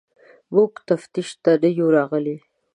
موږ تفتیش ته نه یو راغلي.